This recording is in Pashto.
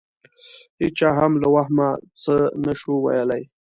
هېچا هم له وهمه څه نه شوای ویلای.